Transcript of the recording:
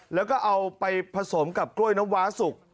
แล้วก็เอาไปผสมกับกล้วยน้ำว้าสุก